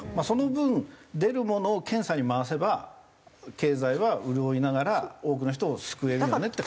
その分出るものを検査に回せば経済は潤いながら多くの人を救えるよね。